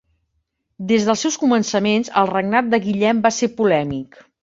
Des dels seus començaments el regnat de Guillem va ser polèmic.